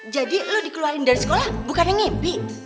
jadi lu dikeluarin dari sekolah bukannya ngipik